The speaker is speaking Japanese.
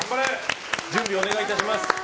準備お願いします。